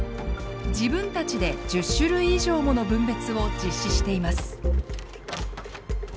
自分たちで１０種類以上もの分別を実施しています。